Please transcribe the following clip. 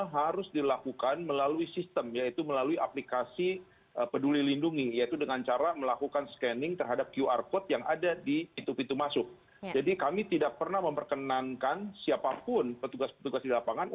fisik lalu kemudian juga